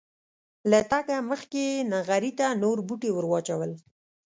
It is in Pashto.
له تګه مخکې یې نغري ته نور بوټي ور واچول.